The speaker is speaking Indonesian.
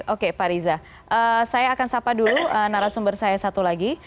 oke pak riza saya akan sapa dulu narasumber saya satu lagi